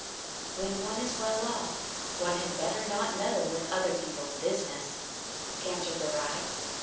"When one is well off, one had better not meddle with other people's business," answered the rye.